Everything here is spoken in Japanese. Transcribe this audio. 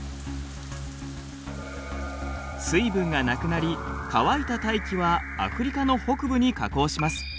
水分がなくなり乾いた大気はアフリカの北部に下降します。